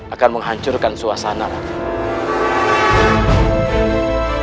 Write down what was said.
akan menghancurkan suasana rakyatmu